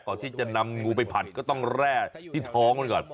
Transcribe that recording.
ก่อนที่จะนำงูไปผัดก็ต้องแร่ที่ท้องมันก่อน